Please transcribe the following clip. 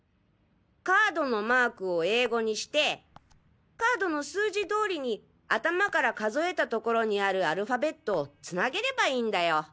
カードのマークを英語にしてカードの数字通りに頭から数えた所にあるアルファベットをつなげればいいんだよ！